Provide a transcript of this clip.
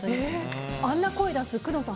あんな声を出す工藤さん